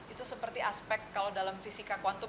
itu seperti aspek kalau dalam fisika kuantum